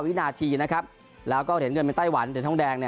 วินาทีนะครับแล้วก็เด็งเงินเป็นไต้หวันเด็นท้องแดง